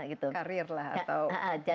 iya karir lah atau jalur